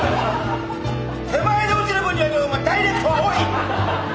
手前に落ちる分にはいいけどダイレクトはおい！